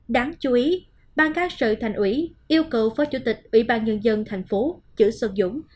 đáng chú ý ban các sự thành ủy yêu cầu phó chủ tịch ybnd tp chữ xuân dũng